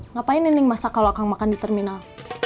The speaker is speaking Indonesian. ngapain neneng masak kalau akang makan di terminal